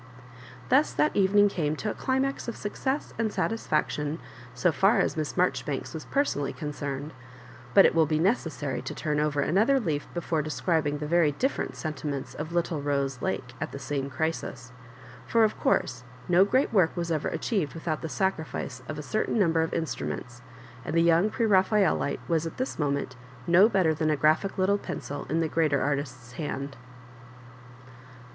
Thus that evening came to a climax of snc oesa and satisfaction so &r as Miss Maijoribanks was personally concerned ; but it will be neces sary to turn over another leaf before describing the very different sentiments of little Bose Lake at the same crisis ; for, of course, no great work was ever aobieved without the sacrifice of a cer tain number of instruments, and the young Pre raphaelite was at this moment no better than a graphic little pencil in the greater artist's hand.